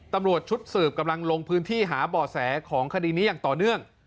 ตำรวจชุดสืบกำลังลงพื้นที่หาบ่อแสของคดีนี้อย่างต่อเนื่อง